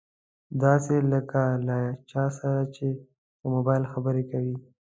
داسې لکه له چا سره چې په مبايل خبرې کوي.